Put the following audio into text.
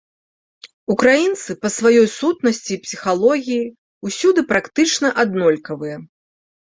Украінцы па сваёй сутнасці і псіхалогіі ўсюды практычна аднолькавыя.